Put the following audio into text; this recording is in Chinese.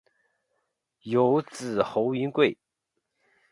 有子侯云桂。